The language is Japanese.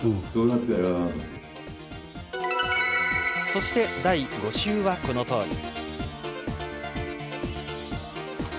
そして第５週はこのとおり。